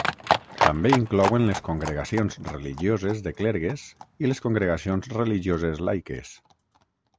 També inclouen les congregacions religioses de clergues i les congregacions religioses laiques.